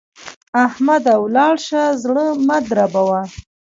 احمده! ولاړ شه؛ زړه مه دربوه.